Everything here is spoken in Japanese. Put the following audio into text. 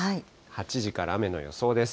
８時から雨の予想です。